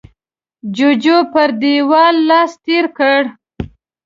جوجو پر دېوال لاس تېر کړ.